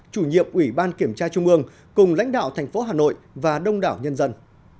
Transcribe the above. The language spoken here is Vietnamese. chủ nhiệm ủy ban kiểm tra trung ương cùng lãnh đạo thành phố hà nội và đông đảo nhân dân